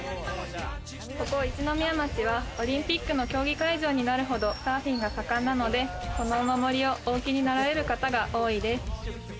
ここ一宮町はオリンピックの競技会場になるほどサーフィンが盛んなので、このお守りをお受けになられる方が多いです。